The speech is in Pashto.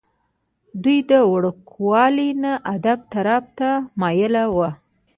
دوي د وړوکوالي نه ادب طرف ته مائله وو ۔